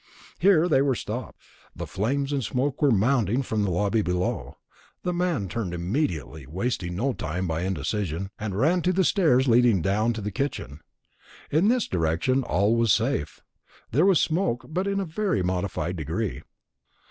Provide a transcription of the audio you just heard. Here they were stopped. The flames and smoke were mounting from the lobby below; the man turned immediately, wasting no time by indecision, and ran to the stairs leading down to the kitchen. In this direction all was safe. There was smoke, but in a very modified degree.